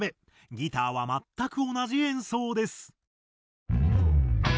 ギターは全く同じ演奏です。